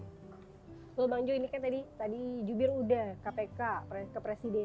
bang jo ini kan tadi jubir sudah kpk kepresiden